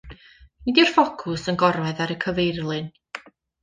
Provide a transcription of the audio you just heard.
Nid yw'r ffocws yn gorwedd ar y cyfeirlin.